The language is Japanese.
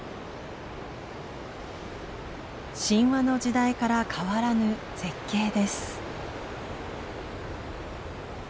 神話の時代から変わらぬ絶景です。